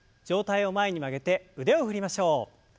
上体を前に曲げて腕を振りましょう。